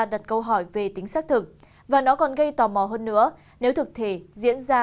đặt câu hỏi về tính xác thực và nó còn gây tò mò hơn nữa nếu thực thể diễn ra